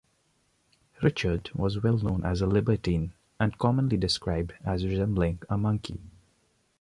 Richard was well known as a libertine and commonly described as resembling a monkey.